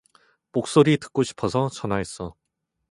목소리 듣고 싶어서 전화했어.